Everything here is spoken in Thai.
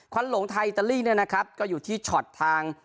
ควรลงท้ายอิตาลีนี้นะครับก็อยู่ที่ช็อตทาง